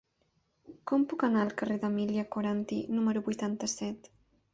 Com puc anar al carrer d'Emília Coranty número vuitanta-set?